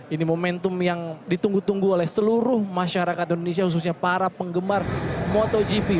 ini momentum yang ditunggu tunggu oleh seluruh masyarakat indonesia khususnya para penggemar motogp